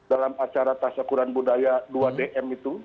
dalam acara tasyakuran budaya dua dm itu